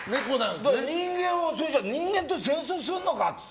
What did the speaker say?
じゃあ人間と戦争するのかって。